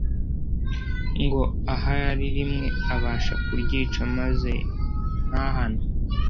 ngo ahari rimwe abasha kuryica maze ntahanwe.